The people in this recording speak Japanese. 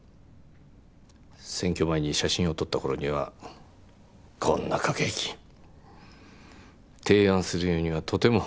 選挙前に写真を撮った頃にはこんな駆け引き提案するようにはとても。